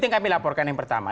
yang kami laporkan yang pertama